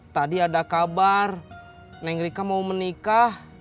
tadi ada kabar neng rika mau menikah